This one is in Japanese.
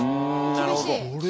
厳しい。